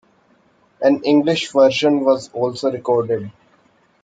An English version was also recorded.